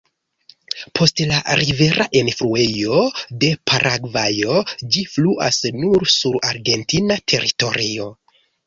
Post la rivera enfluejo de Paragvajo, ĝi fluas nur sur argentina teritorio.